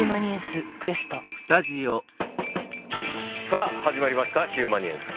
さあ始まりました「ヒューマニエンス」。